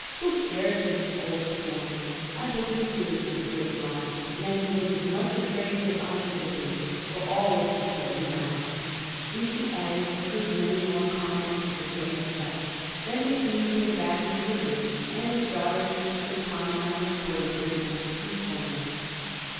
Who cares for his old storm ? I believe, too, it is a great lie, and that he was as much afraid as I should have been, for all what he says now," and she added a good many more comments to the same effect. Then the King came back into the room, and his daughter ceased her comment on his bravery and his truthfulness.